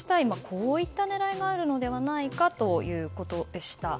こういった狙いがあるのではということでした。